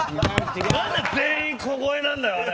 なんで全員小声なんだよあれ。